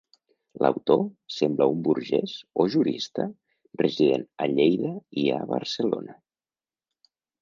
L'autor sembla un burgès o jurista resident a Lleida i a Barcelona.